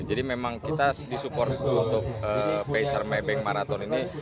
jadi memang kita disupport untuk peser my bank maraton ini